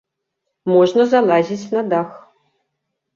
Можна залазіць на дах.